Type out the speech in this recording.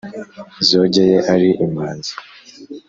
zogeye ari imanzi